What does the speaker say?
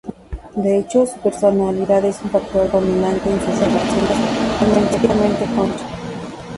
De hecho, su personalidad es un factor dominante en sus relaciones, especialmente con Shaoran.